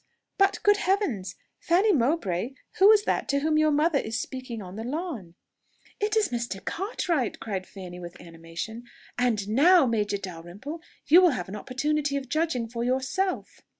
But, good heavens! Fanny Mowbray, who is that to whom your mother is speaking on the lawn?" "It is Mr. Cartwright!" cried Fanny with animation; "and now, Major Dalrymple, you will have an opportunity of judging for yourself."